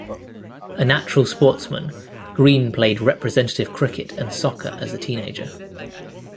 A natural sportsman, Green played representative cricket and soccer as a teenager.